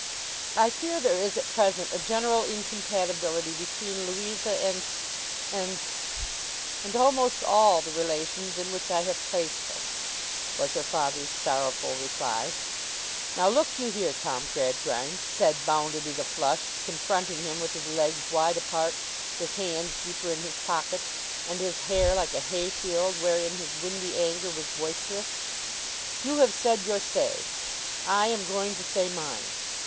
'I fear there is at present a general incompatibility between Louisa, and—and—and almost all the relations in which I have placed her,' was her father's sorrowful reply. 'Now, look you here, Tom Gradgrind,' said Bounderby the flushed, confronting him with his legs wide apart, his hands deeper in his pockets, and his hair like a hayfield wherein his windy anger was boisterous. 'You have said your say; I am going to say mine.